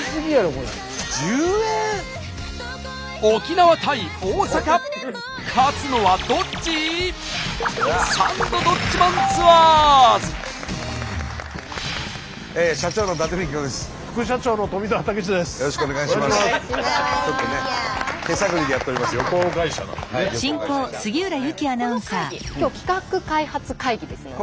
この会議今日企画開発会議ですので。